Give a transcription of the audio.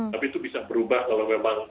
tapi itu bisa berubah kalau memang